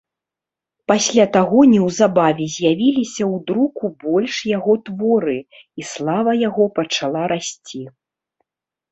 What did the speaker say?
Пасля таго неўзабаве з'явіліся ў друку больш яго творы, і слава яго пачала расці.